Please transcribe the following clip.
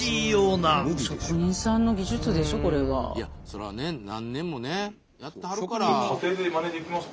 そらね何年もねやってはるから。